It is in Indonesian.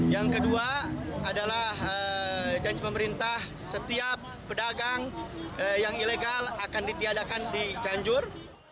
yang kedua adalah janji pemerintah setiap pedagang yang ilegal akan ditiadakan di cianjur